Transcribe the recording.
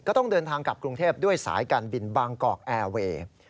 ต้องเดินทางกลับกรุงเทพด้วยสายการบินบางกอกแอร์เวย์